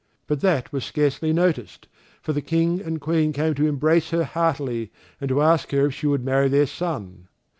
But that was scarcely noticed, for the King and Queen came to embrace her heartily, and to ask her if she would marry their son.